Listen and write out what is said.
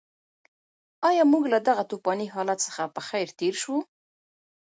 ایا موږ له دغه توپاني حالت څخه په خیر تېر شوو؟